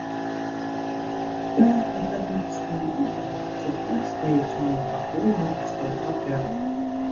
Тая азярніцкая мэбля і цяпер стаіць у маім пакоі гарадской кватэры.